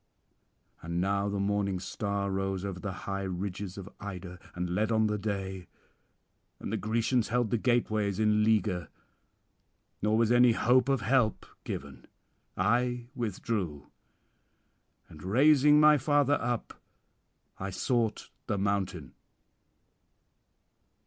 And now the morning star rose over the high ridges of Ida, and led on the day; and the Grecians held the gateways in leaguer, nor was any hope of help given. I withdrew, and raising my father up, I sought the mountain.'